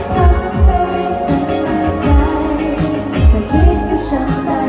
แค่คนรู้จักหรือคนรู้ใจ